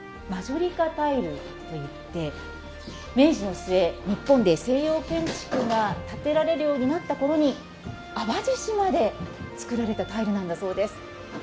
マジョリカタイルといって明治の末日本で西洋建築が建てられるようになった頃に淡路島で作られたタイルなんだそうです。